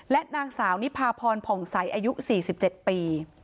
และนางสาวนิพาพรผ่องใสอายุ๔๗ปี